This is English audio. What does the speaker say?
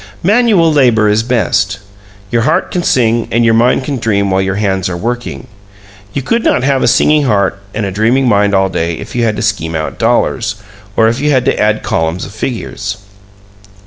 Manual labor is best. Your heart can sing and your mind can dream while your hands are working. You could not have a singing heart and a dreaming mind all day if you had to scheme out dollars, or if you had to add columns of figures.